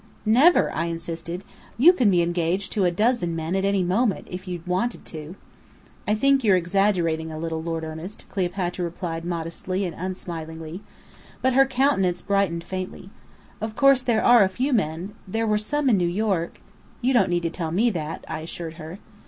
"Never!" I insisted. "You could be engaged to a dozen men any moment, if you wanted to." "I think you're exaggerating a little, Lord Ernest," Cleopatra replied modestly and unsmilingly. But her countenance brightened faintly. "Of course there are a few men there were some in New York " "You don't need to tell me that," I assured her.